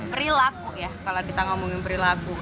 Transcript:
perilaku ya kalau kita ngomongin perilaku